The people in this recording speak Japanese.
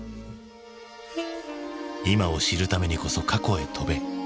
今を知るためにこそ過去へ飛べ。